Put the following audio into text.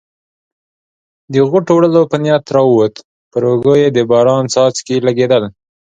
د غوټو وړلو په نیت راووت، پر اوږو یې د باران څاڅکي لګېدل.